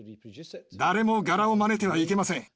誰も柄をまねてはいけません。